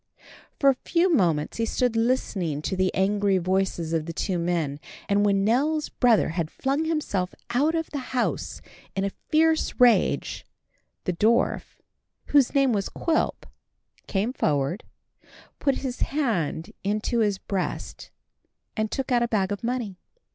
For a few moments he stood listening to the angry voices of the two men; and when Nell's brother had flung himself out of the house in a fierce rage, the dwarf, whose name was Quilp, came forward, put his hand into his breast, and took out a bag of money.